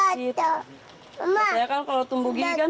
saya kan kalau tumbuh gigi kan